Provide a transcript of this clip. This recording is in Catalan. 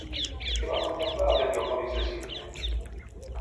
Què va contemplar a l'Heliòpolis d'Egipte?